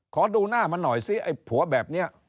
ขอดูหน้ามันหน่อยซิไอ้ผัวแบบนี้